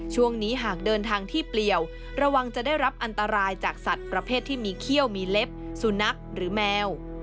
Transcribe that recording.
ช่วงนี้หากเดินทางที่เปลี่ยวระวังจะได้รับอันตรายจากสัตว์ประเภทที่มีเขี้ยวมีเล็บสุนัขหรือแมว